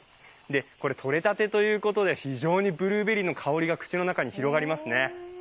とれたてということで、非常にブルーベリーの香りが口の中に広がりますね。